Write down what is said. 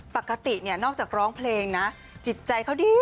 ปกติเนี่ยนอกจากร้องเพลงนะจิตใจเขาดี